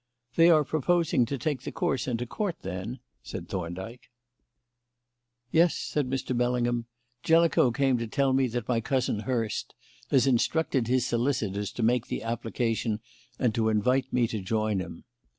"They are proposing to take the case into Court, then?" said Thorndyke. "Yes," said Mr. Bellingham. "Jellicoe came to tell me that my cousin, Hurst, has instructed his solicitors to make the application and to invite me to join him.